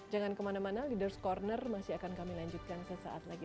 jangan kemana mana leaders ⁇ corner masih akan kami lanjutkan sesaat lagi